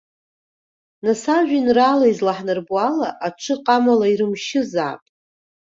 Нас, ажәеинраала излаҳнарбо ала, аҽы ҟамала ирымшьызаап.